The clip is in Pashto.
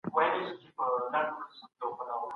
د مڼو حاصلات سږ کال ډېر ښه دي.